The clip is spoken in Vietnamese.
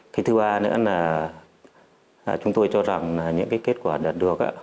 cái thứ ba nữa là chúng tôi cho rằng những cái kết quả đạt được